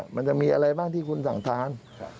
มันจะมีอะไรบ้างที่คุณสั่งทาน